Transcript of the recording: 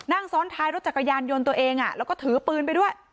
นั่งซ้อนท้ายรถจักรยานยนต์ตัวเองแล้วก็ถือปืนไปด้วย